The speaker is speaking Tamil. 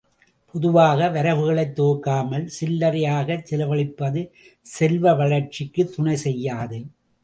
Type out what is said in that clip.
பொதுவாக வரவுகளைத் தொகுக்காமல் சில்லறையாகச் செலவழிப்பது செல்வ வளர்ச்சிக்குத் துணை செய்யாது.